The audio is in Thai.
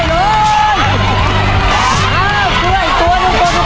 ครอบครัวของแม่ปุ้ยจังหวัดสะแก้วนะครับ